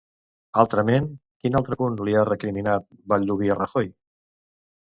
Altrament, quin altre punt li ha recriminat Baldoví a Rajoy?